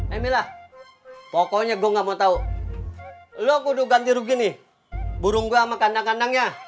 eh mila pokoknya gua gak mau tau lu kudu ganti rugi nih burung gua sama kandang kandangnya